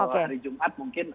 kalau hari jumat mungkin